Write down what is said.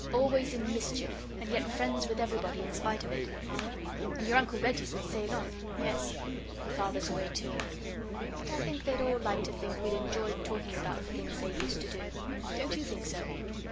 Always in mischief, and yet friends with everybody in spite of it. And your Uncle Reggie's in Ceylon yes, and Father's away, too. But I think they'd all like to think we'd enjoyed talking about the things they used to do. Don't you think so?"